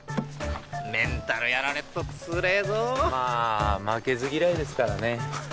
メンタルやられっとつれえぞまあ負けず嫌いですからね